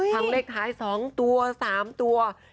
ทั้งเลขท้าย๒ตัว๓ตัว